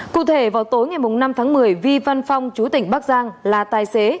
cụ thể vào tối ngày năm tháng một mươi vi văn phong chú tỉnh bắc giang là tài xế